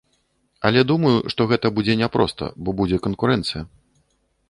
Але думаю, што гэта будзе няпроста, бо будзе канкурэнцыя.